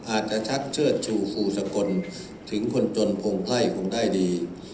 อาจจะชักเชิดชูฟูสกลถึงคนจนพงไพร่คงได้ดี